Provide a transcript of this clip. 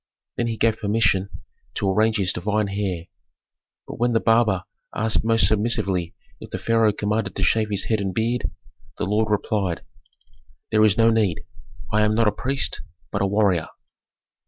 Then he gave permission to arrange his divine hair; but when the barber asked most submissively if the pharaoh commanded to shave his head and beard, the lord replied, "There is no need. I am not a priest, but a warrior."